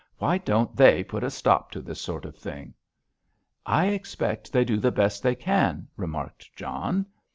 Why don't they put a stop to this sort of thing?" "I expect they do the best they can," remarked John.